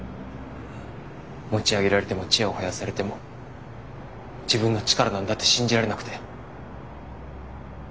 持ち上げられてもチヤホヤされても自分の力なんだって信じられなくて。